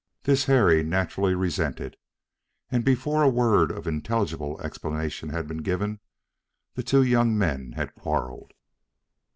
This Harry naturally resented, and before a word of intelligible explanation had been given the two young men had quarrelled.